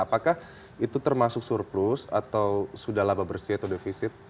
apakah itu termasuk surplus atau sudah laba bersih atau defisit